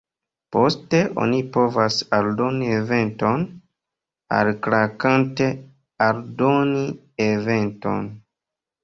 Poste oni povas aldoni eventon, alklakante 'Aldoni eventon'.